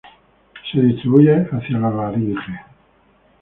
Se distribuye hacia la laringe.